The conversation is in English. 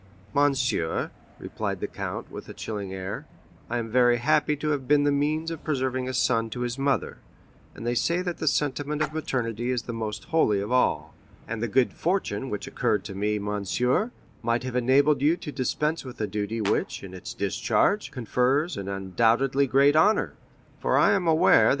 "Monsieur," replied the count, with a chilling air, "I am very happy to have been the means of preserving a son to his mother, for they say that the sentiment of maternity is the most holy of all; and the good fortune which occurred to me, monsieur, might have enabled you to dispense with a duty which, in its discharge, confers an undoubtedly great honor; for I am aware that M.